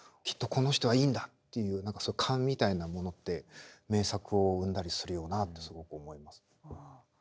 きっとこの人はいいんだっていう何か勘みたいなものって名作を生んだりするよなってすごく思います。